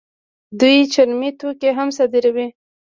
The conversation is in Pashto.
دوی چرمي توکي هم صادروي.